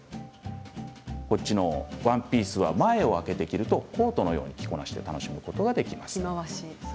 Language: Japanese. またワンピースは前を開けて着るとコートのような着こなしを楽しむことができる。